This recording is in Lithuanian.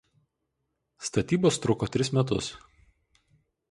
Statybos truko tris metus.